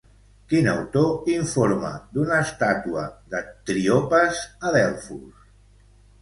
Quin autor informa d'una estàtua de Tríopas a Delfos?